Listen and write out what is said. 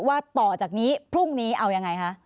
ว่าต่อจากนี้พรุ่งนี้เอายังไงคะ